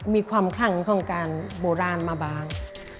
มีความคลั่งของการโบราณมาบาง